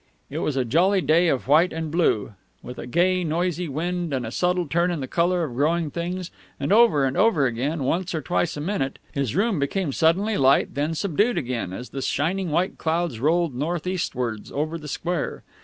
It was a jolly day of white and blue, with a gay noisy wind and a subtle turn in the colour of growing things; and over and over again, once or twice a minute, his room became suddenly light and then subdued again, as the shining white clouds rolled north eastwards over the square.